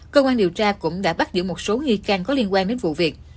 cơ quan điều tra cũng đã bắt giữ một số nghi can có liên quan đến vụ việc